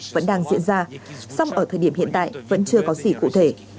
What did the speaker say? vẫn đang diễn ra song ở thời điểm hiện tại vẫn chưa có gì cụ thể